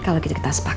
kalau gitu kita sepakat